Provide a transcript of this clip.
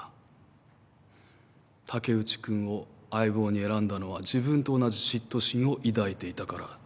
竹内君を相棒に選んだのは自分と同じ嫉妬心を抱いていたから。